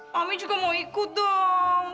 kami juga mau ikut dong